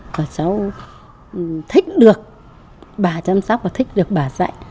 còn cháu thích được bà chăm sóc và thích được bà dạy